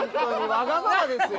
わがままですよ！